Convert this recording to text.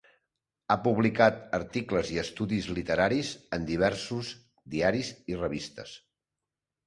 Ha publicat articles i estudis literaris en diversos diaris i revistes.